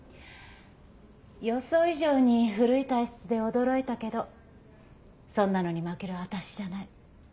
予想以上に古い体質で驚いたけどそんなのに負ける私じゃない。